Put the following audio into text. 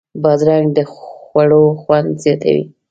بادرنګ د خوړو خوند زیاتوي.